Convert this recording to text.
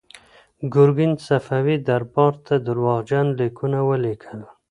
ګورګین صفوي دربار ته درواغجن لیکونه ولیکل.